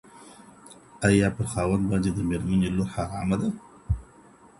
آيا پر خاوند باندي د ميرمني لور حرامه ده؟